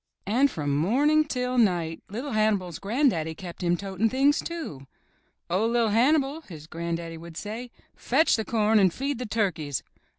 And from morning until night LiT Hannibal's gran'daddy kept him toting things, too. "Oh, LiT Hannibal," his gran'daddy would say, "fetch the corn and feed the turkeys."